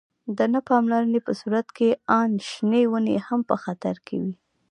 د نه پاملرنې په صورت کې آن شنې ونې هم په خطر کې وي.